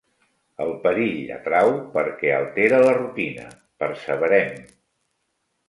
El perill atrau perquè altera la rutina. Perseverem.